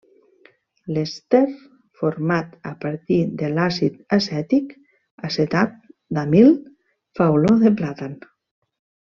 L'èster format a partir de l'àcid acètic, l'acetat d'amil, fa olor de plàtan.